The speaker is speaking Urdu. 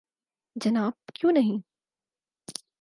جناب کیوں نہیں